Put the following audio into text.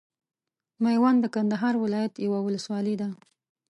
ميوند د کندهار ولايت یوه ولسوالۍ ده.